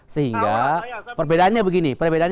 sehingga perbedaannya begini